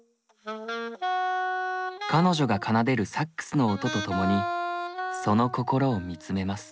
彼女が奏でるサックスの音とともにその心を見つめます。